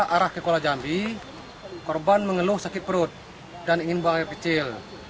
arah ke kola jambi korban mengeluh sakit perut dan ingin buang air kecil